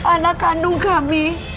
anak kandung kami